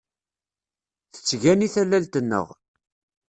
Tettgani tallalt-nneɣ.